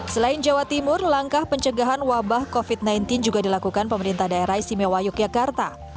selain jawa timur langkah pencegahan wabah covid sembilan belas juga dilakukan pemerintah daerah istimewa yogyakarta